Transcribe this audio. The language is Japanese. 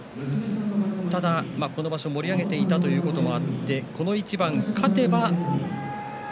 ただ、この場所を盛り上げていたということもあってこの一番勝てば翠